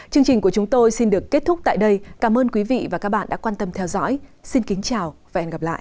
chương trình của chúng tôi xin được kết thúc tại đây cảm ơn quý vị và các bạn đã quan tâm theo dõi xin kính chào và hẹn gặp lại